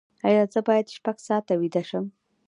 ایا زه باید شپږ ساعته ویده شم؟